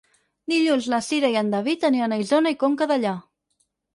Dilluns na Cira i en David aniran a Isona i Conca Dellà.